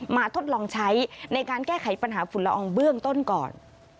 ทดลองใช้ในการแก้ไขปัญหาฝุ่นละอองเบื้องต้นก่อน